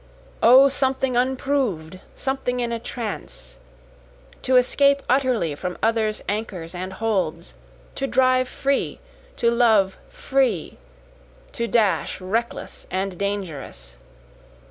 O something unprov'd! something in a trance! To escape utterly from others' anchors and holds! To drive free! to love free! to dash reckless and dangerous!